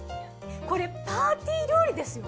これパーティー料理ですよ。